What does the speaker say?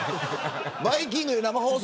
バイキング生放送